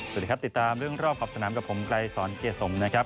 สวัสดีครับติดตามเรื่องรอบขอบสนามกับผมไกรสอนเกียรติสมนะครับ